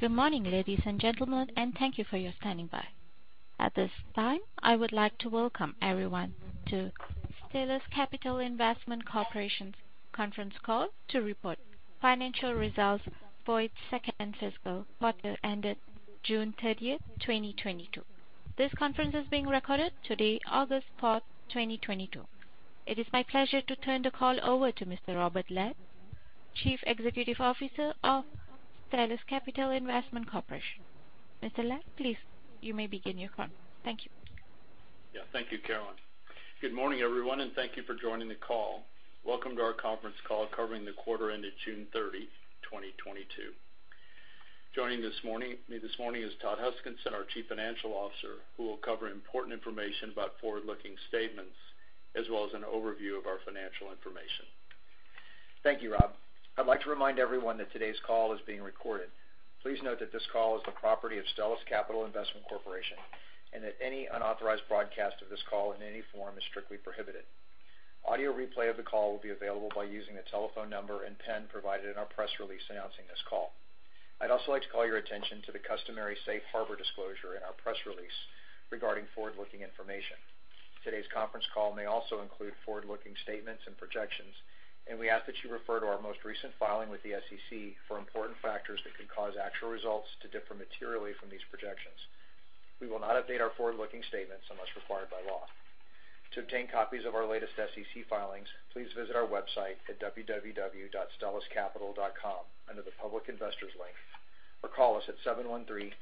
Good morning, ladies and gentlemen, and thank you for your standing by. At this time, I would like to welcome everyone to Stellus Capital Investment Corporation's conference call to report financial results for its second fiscal quarter ended June 30, 2022. This conference is being recorded today, August 4, 2022. It is my pleasure to turn the call over to Mr. Robert Ladd, Chief Executive Officer of Stellus Capital Investment Corporation. Mr. Ladd, please, you may begin your call. Thank you. Yeah. Thank you, Caroline. Good morning, everyone, and thank you for joining the call. Welcome to our conference call covering the quarter ended June 30, 2022. Joining me this morning is Todd Huskinson, our Chief Financial Officer, who will cover important information about forward-looking statements as well as an overview of our financial information. Thank you, Rob. I'd like to remind everyone that today's call is being recorded. Please note that this call is the property of Stellus Capital Investment Corporation, and that any unauthorized broadcast of this call in any form is strictly prohibited. Audio replay of the call will be available by using the telephone number and PIN provided in our press release announcing this call. I'd also like to call your attention to the customary safe harbor disclosure in our press release regarding forward-looking information. Today's conference call may also include forward-looking statements and projections, and we ask that you refer to our most recent filing with the SEC for important factors that could cause actual results to differ materially from these projections. We will not update our forward-looking statements unless required by law. To obtain copies of our latest SEC filings, please visit our website at www.stelluscapital.com under the Public Investors link, or call us at 713-292-5400.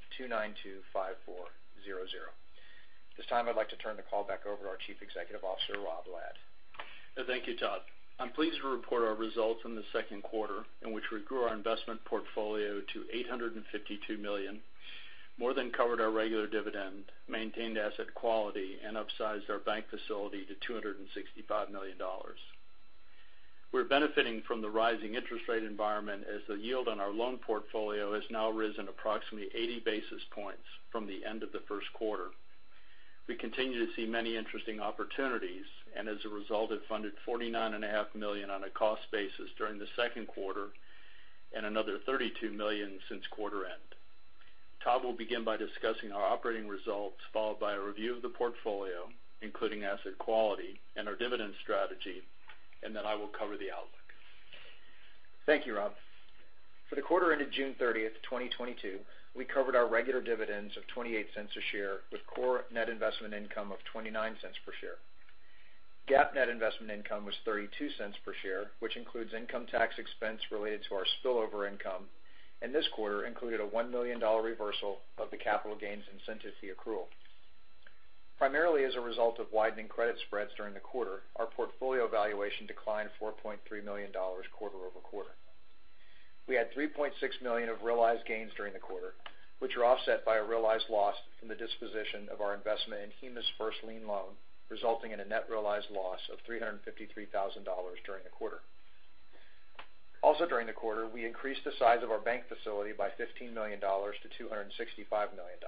This time, I'd like to turn the call back over to our Chief Executive Officer, Robert Ladd. Thank you, Todd. I'm pleased to report our results in the second quarter in which we grew our investment portfolio to $852 million, more than covered our regular dividend, maintained asset quality, and upsized our bank facility to $265 million. We're benefiting from the rising interest rate environment as the yield on our loan portfolio has now risen approximately 80 basis points from the end of the first quarter. We continue to see many interesting opportunities and as a result have funded $ 49.5 million on a cost basis during the second quarter and another $32 million since quarter end. Todd will begin by discussing our operating results, followed by a review of the portfolio, including asset quality and our dividend strategy, and then I will cover the outlook. Thank you, Rob. For the quarter ended June 30, 2022, we covered our regular dividends of $0.28 a share with core net investment income of $0.29 per share. GAAP net investment income was $0.32 per share, which includes income tax expense related to our spillover income, and this quarter included a $1 million reversal of the capital gains incentive fee accrual. Primarily as a result of widening credit spreads during the quarter, our portfolio valuation declined $4.3 million quarter-over-quarter. We had $3.6 million of realized gains during the quarter, which are offset by a realized loss from the disposition of our investment in HIMA first lien loan, resulting in a net-realized loss of $353,000 during the quarter. Also, during the quarter, we increased the size of our bank facility by $15 million to $265 million.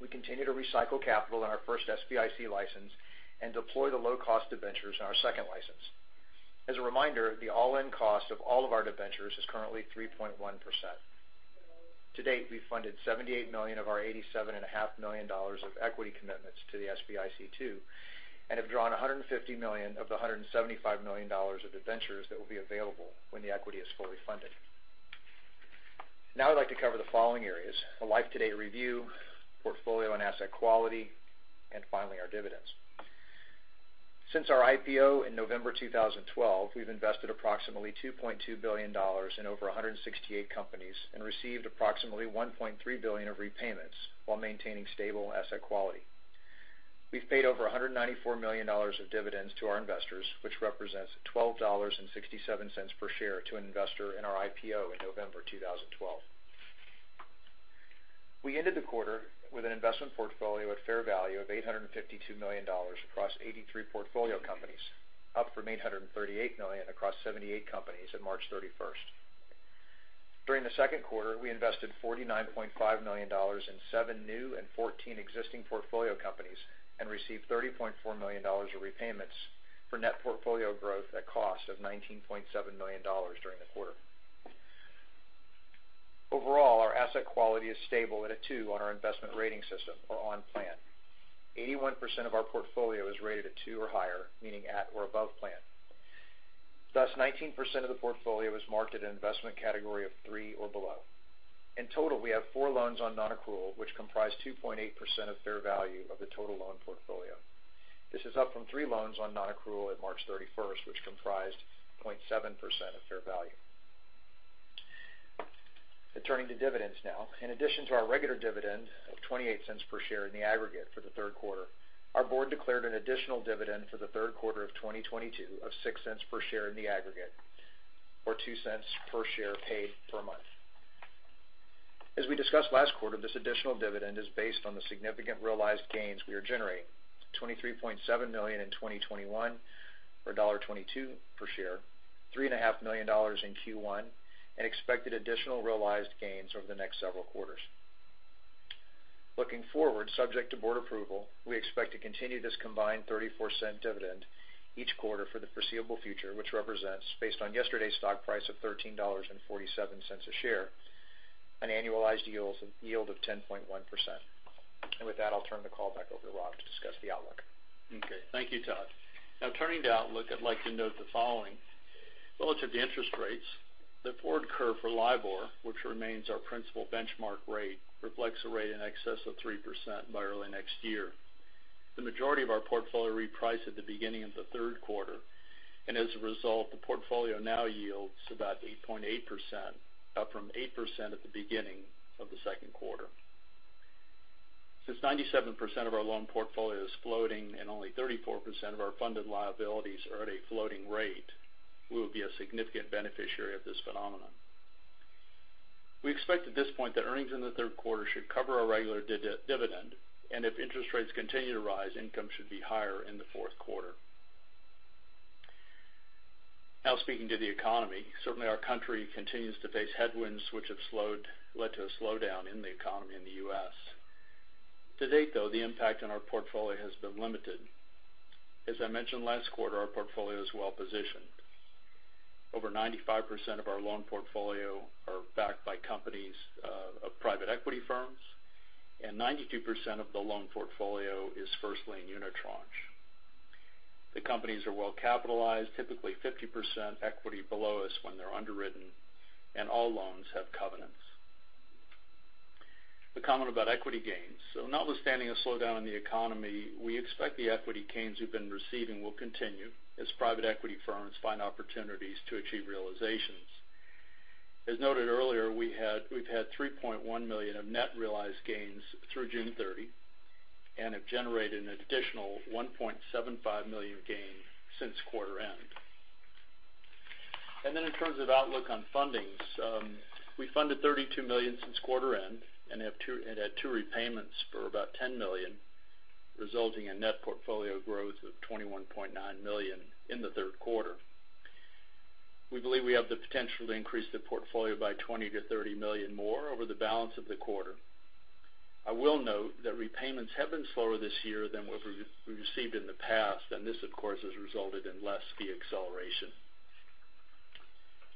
We continue to recycle capital in our first SBIC license and deploy the low-cost debentures in our second license. As a reminder, the all-in cost of all of our debentures is currently 3.1%. To date, we've funded $78 million of our $87.5 million of equity commitments to the SBIC II and have drawn $150 million of the $175 million of debentures that will be available when the equity is fully funded. Now, I'd like to cover the following areas, a Life-to-Date review, Portfolio and Asset quality, and finally, our Dividends. Since our IPO in November 2012, we've invested approximately $2.2 billion in over 168 companies and received approximately $1.3 billion of repayments while maintaining stable asset quality. We've paid over $194 million of dividends to our investors, which represents $12.67 per share to an investor in our IPO in November 2012. We ended the quarter with an investment portfolio at fair value of $852 million across 83 portfolio companies, up from $838 million across 78 companies on March 31. During the second quarter, we invested $49.5 million in seven new and 14 existing portfolio companies and received $30.4 million of repayments for net portfolio growth at cost of $19.7 million during the quarter. Overall, our asset quality is stable at a two on our investment rating system or on plan. 81% of our portfolio is rated at two or higher, meaning at or above plan. Thus, 19% of the portfolio is marked at an investment category of three or below. In total, we have four loans on non-accrual, which comprise 2.8% of fair value of the total loan portfolio. This is up from three loans on non-accrual at March 31st, which comprised 0.7% of fair value. Turning to dividends now. In addition to our regular dividend of $0.28 per share in the aggregate for the third quarter, our board declared an additional dividend for the third quarter of 2022 of $0.06 per share in the aggregate or $0.02 per share paid per month. As we discussed last quarter, this additional dividend is based on the significant realized gains we are generating, $23.7 million in 2021 or $22 per share, $3.5 million in Q1, and expected additional realized gains over the next several quarters. Looking forward, subject to board approval, we expect to continue this combined $0.34 dividend each quarter for the foreseeable future, which represents, based on yesterday's stock price of $13.47 a share, an annualized yield of 10.1%. With that, I'll turn the call back over to Rob to discuss the outlook. Okay. Thank you, Todd. Now turning to outlook, I'd like to note the following. Relative to interest rates, the forward curve for LIBOR, which remains our principal benchmark rate, reflects a rate in excess of 3% by early next year. The majority of our portfolio reprice at the beginning of the third quarter, and as a result, the portfolio now yields about 8.8%, up from 8% at the beginning of the second quarter. Since 97% of our loan portfolio is floating and only 34% of our funded liabilities are at a floating rate, we will be a significant beneficiary of this phenomenon. We expect at this point that earnings in the third quarter should cover our regular dividend, and if interest rates continue to rise, income should be higher in the fourth quarter. Now speaking to the economy, certainly our country continues to face headwinds which have led to a slowdown in the economy in the U.S. To date, though, the impact on our portfolio has been limited. As I mentioned last quarter, our portfolio is well positioned. Over 95% of our loan portfolio are backed by companies of private equity firms, and 92% of the loan portfolio is first lien unitranche. The companies are well capitalized, typically 50% equity below us when they're underwritten, and all loans have covenants. A comment about equity gains. Notwithstanding a slowdown in the economy, we expect the equity gains we've been receiving will continue as private equity firms find opportunities to achieve realizations. As noted earlier, we've had $3.1 million of net realized gains through June 30 and have generated an additional $1.75 million gain since quarter end. In terms of outlook on fundings, we funded $32 million since quarter end and had two repayments for about $10 million, resulting in net portfolio growth of $21.9 million in the third quarter. We believe we have the potential to increase the portfolio by $20 million-$30 million more over the balance of the quarter. I will note that repayments have been slower this year than what we received in the past, and this, of course, has resulted in less fee acceleration.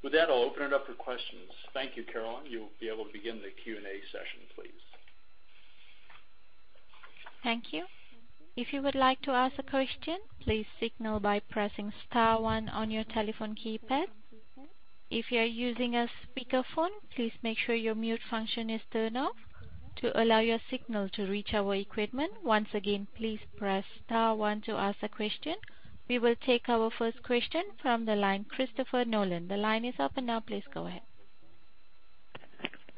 With that, I'll open it up for questions. Thank you. Caroline, you'll be able to begin the Q&A session, please. Thank you. If you would like to ask a question, please signal by pressing star one on your telephone keypad. If you are using a speakerphone, please make sure your mute function is turned off to allow your signal to reach our equipment. Once again, please press star one to ask a question. We will take our first question from the line, Christopher Nolan. The line is open now. Please go ahead.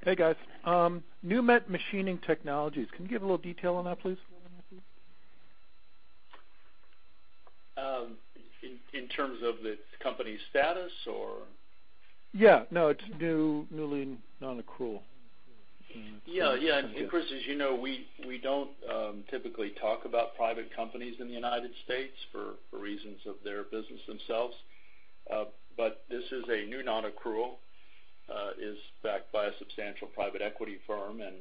Hey, guys. Numet Machining Technologies, can you give a little detail on that, please? In terms of the company's status or? Yeah. No, it's new, newly non-accrual. Chris, as you know, we don't typically talk about private companies in the United States for reasons of their business themselves. But this is a new non-accrual is backed by a substantial private equity firm, and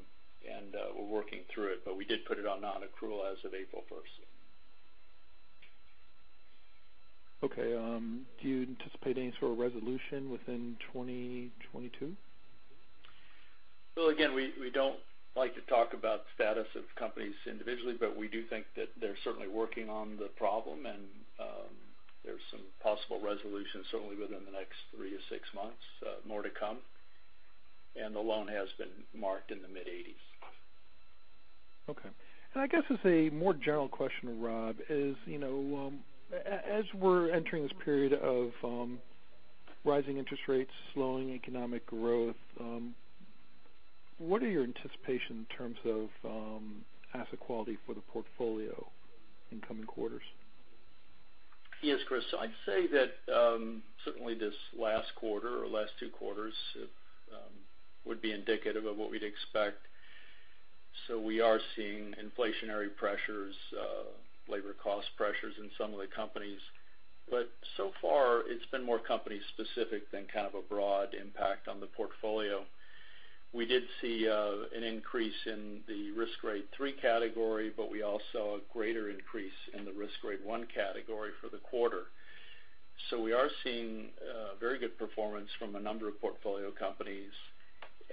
we're working through it, but we did put it on non-accrual as of April first. Okay. Do you anticipate any sort of resolution within 2022? Again, we don't like to talk about status of companies individually, but we do think that they're certainly working on the problem. There's some possible resolutions certainly within the next three to six months. More to come. The loan has been marked in the mid-80s percentage. Okay. I guess as a more general question, Rob, you know, as we're entering this period of rising interest rates, slowing economic growth, what are your anticipation in terms of asset quality for the portfolio in coming quarters? Yes, Chris. I'd say that, certainly this last quarter or last two quarters, would be indicative of what we'd expect. We are seeing inflationary pressures, labor cost pressures in some of the companies, but so far, it's been more company specific than kind of a broad impact on the portfolio. We did see an increase in the Risk Grade 3 category, but we also saw a greater increase in the Risk Grade 1 category for the quarter. We are seeing very good performance from a number of portfolio companies,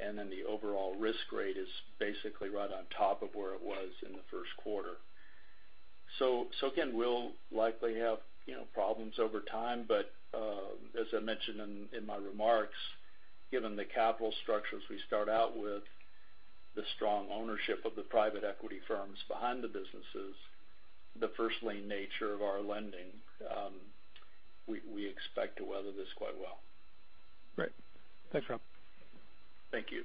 and then the overall risk grade is basically right on top of where it was in the first quarter. Again, we'll likely have, you know, problems over time, but as I mentioned in my remarks, given the capital structures we start out with, the strong ownership of the private equity firms behind the businesses, the first lien nature of our lending, we expect to weather this quite well. Great. Thanks, Rob. Thank you.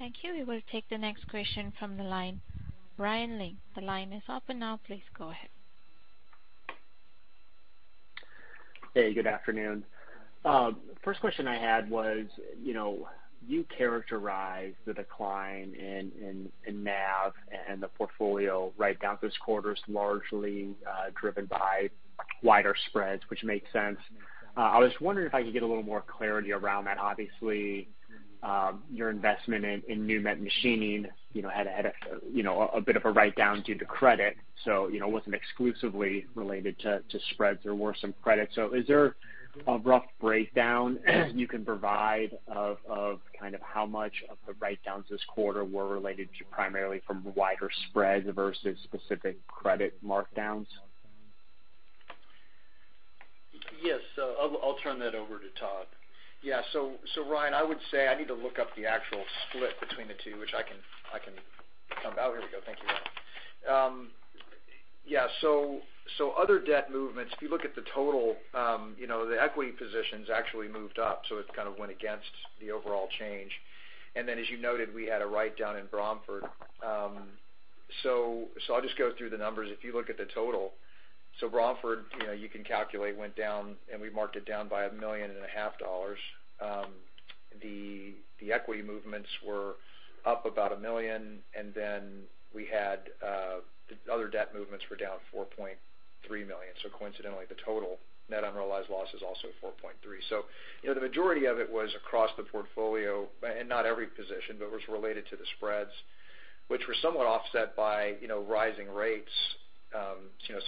Thank you. We will take the next question from the line, Ryan Lynch. The line is open now. Please go ahead. Hey, good afternoon. First question I had was, you know, you characterize the decline in NAV and the portfolio write-down this quarter is largely driven by wider spreads, which makes sense. I was wondering if I could get a little more clarity around that. Obviously, your investment in Numet Machining Technologies, you know, had a you know, a bit of a write-down due to credit, so you know, it wasn't exclusively related to spreads. There were some credits. Is there a rough breakdown you can provide of kind of how much of the write-downs this quarter were related to primarily from wider spreads versus specific credit markdowns? Yes. I'll turn that over to Todd. Yeah. Ryan, I would say I need to look up the actual split between the two, which I can. Oh, here we go. Thank you. Other debt movements, if you look at the total, you know, the equity positions actually moved up, so it kind of went against the overall change. Then as you noted, we had a write-down in Bromford. I'll just go through the numbers. If you look at the total, Bromford, you know, you can calculate went down and we marked it down by $1.5 million. The equity movements were up about $1 million, and then we had other debt movements were down $4.3 million. Coincidentally, the total net unrealized loss is also $4.3 million. You know, the majority of it was across the portfolio and not every position, but was related to the spreads, which were somewhat offset by, you know, rising rates.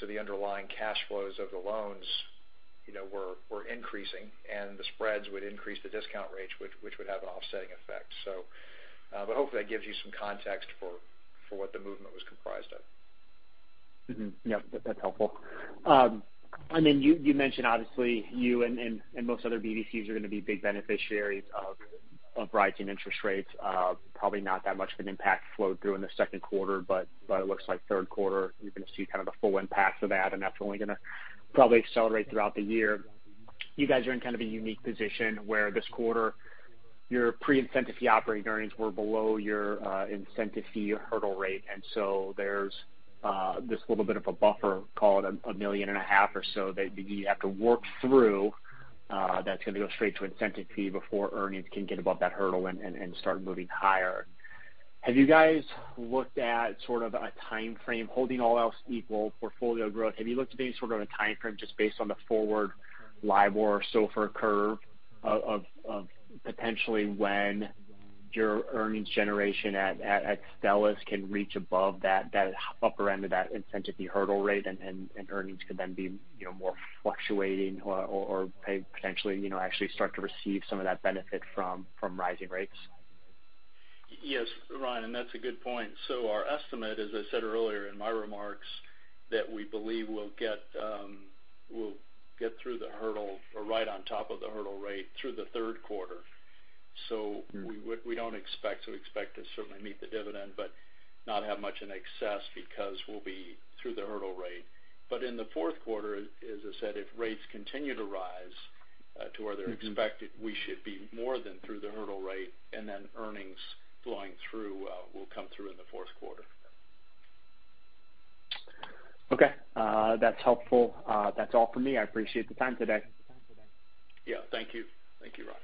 You know, the underlying cash flows of the loans, you know, were increasing and the spreads would increase the discount rate, which would have an offsetting effect. Hopefully that gives you some context for what the movement was comprised of. That's helpful. You mentioned obviously you and most other BDCs are gonna be big beneficiaries of rising interest rates. Probably not that much of an impact flowed through in the second quarter, but it looks like third quarter you're gonna see kind of the full impact of that, and that's only gonna probably accelerate throughout the year. You guys are in kind of a unique position where this quarter, your pre-incentive fee operating earnings were below your incentive fee-hurdle rate, and so there's this little bit of a buffer, call it $1.5 million or so that you have to work through, that's gonna go straight to incentive fee before earnings can get above that hurdle and start moving higher. Have you guys looked at sort of a timeframe, holding all else equal portfolio growth? Have you looked at any sort of a timeframe just based on the forward LIBOR or SOFR curve of potentially when your earnings generation at Stellus can reach above that upper end of that incentive fee hurdle rate and earnings could then be, you know, more fluctuating or pay potentially, you know, actually start to receive some of that benefit from rising rates? Yes, Ryan, that's a good point. Our estimate, as I said earlier in my remarks, that we believe we'll get through the hurdle or right on top of the hurdle rate through the third quarter. Mm-hmm. We don't expect to certainly meet the dividend, but not have much in excess because we'll be through the hurdle rate. In the fourth quarter, as I said, if rates continue to rise to where they're expected. Mm-hmm. We should be more than through the hurdle rate and then earnings flowing through will come through in the fourth quarter. Okay. That's helpful. That's all for me. I appreciate the time today. Yeah. Thank you. Thank you, Ryan.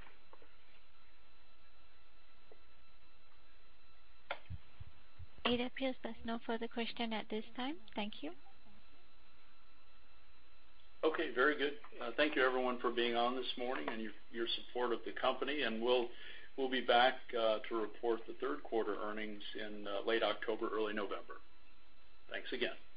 Ada, it appears there's no further question at this time. Thank you. Okay. Very good. Thank you everyone for being on this morning and your support of the company, and we'll be back to report the third quarter earnings in late October, early November. Thanks again.